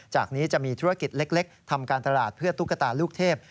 จากนี้จะมีธุรกิจเล็กทำการตลาดเพื่อตุ๊กตาลูกเทพ